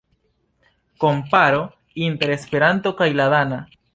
Komparo inter Esperanto kaj la dana.